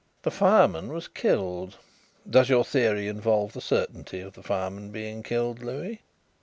"The fireman was killed. Does your theory involve the certainty of the fireman being killed, Louis?"